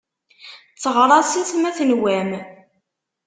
Tteɣraṣet ma tenwam.